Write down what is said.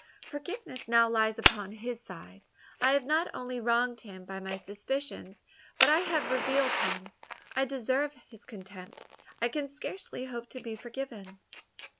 "Forgiveness now lies upon his side. I have not only wronged him by my suspicions, but I have reviled him. I deserve his contempt, I can scarcely hope to be forgiven."